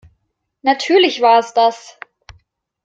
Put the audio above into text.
Natürlich war es das.